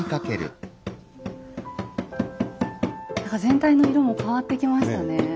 何か全体の色も変わってきましたね。